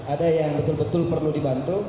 ada yang betul betul perlu dibantu